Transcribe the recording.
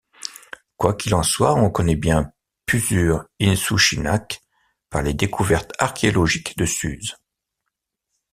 Quoi qu'il en soit, on connaît bien Puzur-Inshushinak par les découvertes archéologiques de Suse.